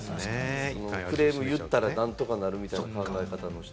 クレーム言ったら、なんとかなるみたいな考え方の人。